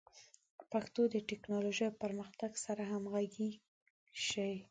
پښتو د ټکنالوژۍ او پرمختګ سره همغږي شي.